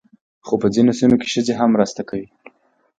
خو په ځینو سیمو کې ښځې هم مرسته کوي.